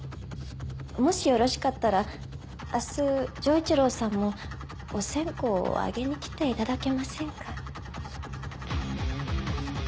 もしよろしかったら明日丈一郎さんもお線香を上げに来ていただけませんか？